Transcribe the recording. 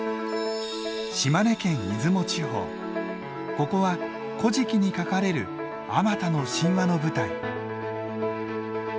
ここは「古事記」に書かれるあまたの神話の舞台。